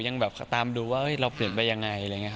ยังตามดูว่าเราเปลี่ยนไปยังไง